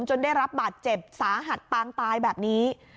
ได้รับบาดเจ็บสาหัสปางตายแบบนี้